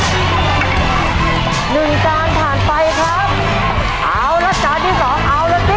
หนึ่งจานผ่านไปครับเอาละจานที่สองเอาละสิ